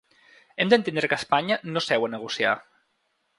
Hem d’entendre que Espanya no seu a negociar.